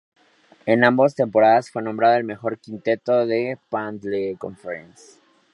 En ambas temporadas fue nombrado en el mejor quinteto de la Panhandle Conference.